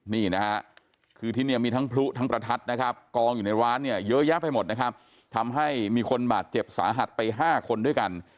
นี่นะฮะคือที่นี่มีทั้งพลุทั้งประทัดนะครับกองอยู่ในร้านเนี่ยเยอะแยะไปหมดนะครับทำให้มีคนบาดเจ็บสาหัสไป๕คนด้วยกัน